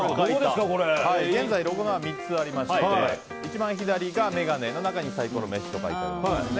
現在、ロゴは３つありまして一番左はメガネの中にサイコロメガネ飯と書いてありますね。